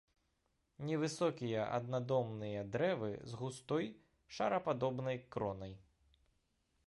Невысокія аднадомныя дрэвы з густой шарападобнай кронай.